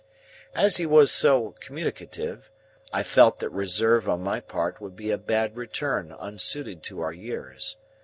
As he was so communicative, I felt that reserve on my part would be a bad return unsuited to our years.